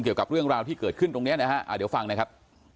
เกี่ยวกับเรื่องราวที่เกิดขึ้นตรงนี้นะฮะเดี๋ยวฟังนะครับ